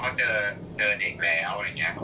อ๋อเขาเจอเจอเองแล้วอะไรอย่างเงี้ย